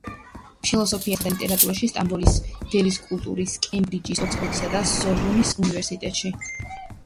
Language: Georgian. კითხულობდა ლექციებს ფილოსოფიასა და ლიტერატურაში სტამბოლის, დელის, კალკუტის, კემბრიჯის, ოქსფორდისა და სორბონის უნივერსიტეტებში.